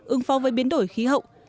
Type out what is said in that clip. ưng phong với biến đổi khí hậu